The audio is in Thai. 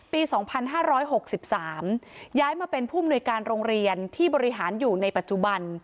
ปี๒๕๖๓ย้ายมาเป็นผู้มนุยการโรงเรียนที่บริหารอยู่ในปัจจุบัน